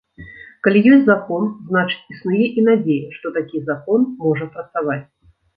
Калі ёсць закон, значыць, існуе і надзея, што такі закон можа працаваць.